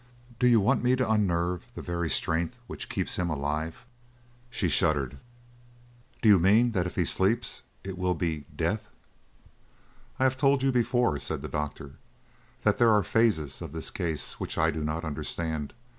Do you want me to unnerve the very strength which keeps him alive?" She shuddered. "Do you mean that if he sleeps it will be death?" "I have told you before," said the doctor, "that there are phases of this case which I do not understand.